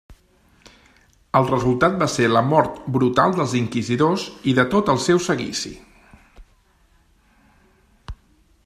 El resultat va ser la mort brutal dels inquisidors i de tot el seu seguici.